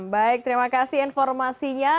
baik terima kasih informasinya